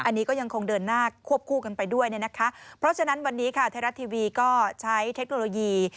อันนี้ก็ยังคงเดินหน้าควบคู่กันไปด้วยเนี่ยนะคะเพราะฉะนั้นวันนี้ค่ะไทยรัฐทีวีก็ใช้เทคโนโลยี